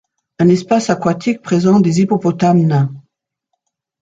Un espace aquatique présente des hippopotames nains.